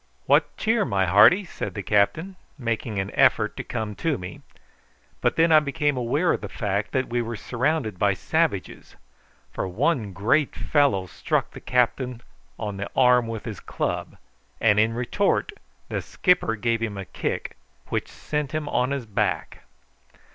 "What cheer, my hearty?" said the captain, making an effort to come to me; but I then became aware of the fact that we were surrounded by savages, for one great fellow struck the captain on the arm with his club, and in retort the skipper gave him a kick which sent him on his back.